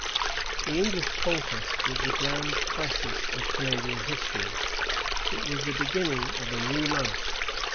This EngUsh conquest was the grand crisis of Canadian history. It was the beginning of a new life.